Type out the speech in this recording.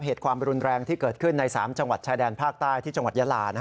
เหตุความรุนแรงที่เกิดขึ้นใน๓จังหวัดชายแดนภาคใต้ที่จังหวัดยาลา